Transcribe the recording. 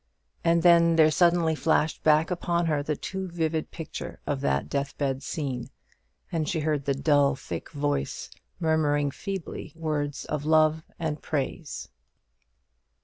And then there suddenly flashed back upon her the too vivid picture of that deathbed scene, and she heard the dull thick voice murmuring feebly words of love and praise.